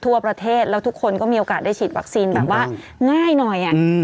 ทั่วประเทศแล้วทุกคนก็มีโอกาสได้ฉีดวัคซีนแบบว่าง่ายหน่อย